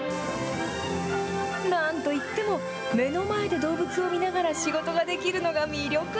なんといっても、目の前で動物を見ながら仕事ができるのが魅力。